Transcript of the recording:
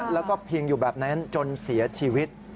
แล้วก็พิงอยู่แบบนั้นจนเสียชีวิต